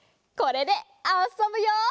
これであそぶよ。